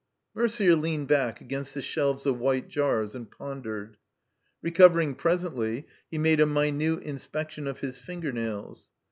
Mercier leaned back against the shelves of white jars and pondered. Recovering presently, he made a minute inspection of his finger nails.